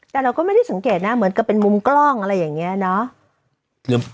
แต่เราก็ไม่ได้สังเกตนะเหมือนกับเป็นมุมกล้องอะไรอย่างนี้เนาะ